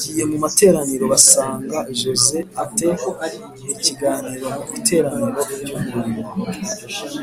giye mu materaniro basanga Jose a te ikiganiro mu Iteraniro ry Umurimo